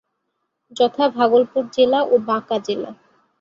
যথা: ভাগলপুর জেলা ও বাঁকা জেলা।